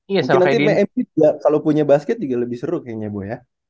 mungkin nanti juga kalau punya basket juga lebih seru kayaknya bu ya